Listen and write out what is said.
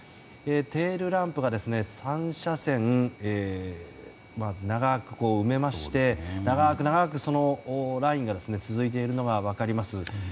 テールランプが３車線長く埋めまして長く長く、そのラインが続いているのが分かります。